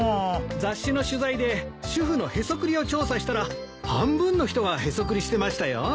雑誌の取材で主婦のヘソクリを調査したら半分の人がヘソクリしてましたよ。